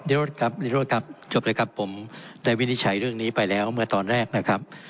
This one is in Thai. รถครับนิโรธครับจบเลยครับผมได้วินิจฉัยเรื่องนี้ไปแล้วเมื่อตอนแรกนะครับ